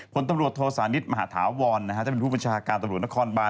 ผลตำรวจโทษานิทมหาธาวรจะเป็นผู้บัญชาการตำรวจนครบาน